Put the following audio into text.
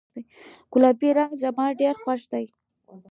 ګلابي رنګ زما ډیر خوښ ده